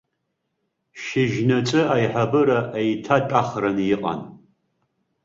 Шьыжьнаҵы аиҳабыра еиҭатәахран иҟан.